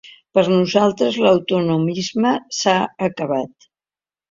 Per nosaltres l’autonomisme s’ha acabat.